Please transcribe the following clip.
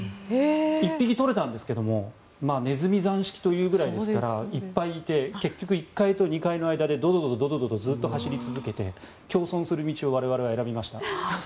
１匹捕れたんですがネズミ算式というぐらいですからいっぱいいて結局１階と２階の間でずっと走り続けて共存する道を我々は選びました。